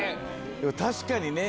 確かにね。